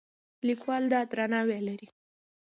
لیکوال دا درناوی لري.